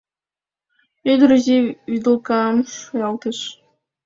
— ӱдыр изи вӱдылкам шуялтыш.